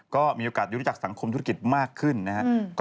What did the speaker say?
ก็มีโอกาสรู้จักสังคมธุรกิจมากขึ้นนะครับ